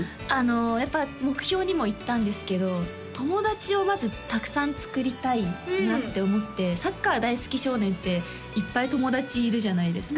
やっぱり目標にも言ったんですけど友達をまずたくさんつくりたいなって思ってサッカー大好き少年っていっぱい友達いるじゃないですか